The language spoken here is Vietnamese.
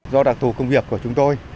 do đặc thù công việc của chúng tôi